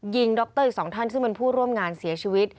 ดรอีกสองท่านซึ่งเป็นผู้ร่วมงานเสียชีวิต